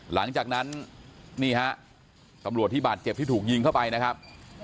หลังจากนั้นนี่ฮะตำรวจที่บาดเจ็บที่ถูกยิงเข้าไปนะครับ